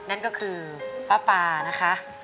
นั่นก็คือป้าปานะคะ